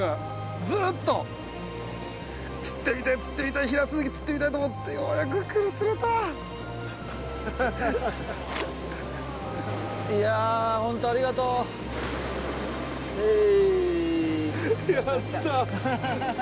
ずーっと釣ってみてー釣ってみたいヒラスズキ釣ってみたいと思ってようやく釣れたいやホントありがとうヘイヤッタ